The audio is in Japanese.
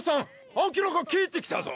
アキラが帰って来たぞ。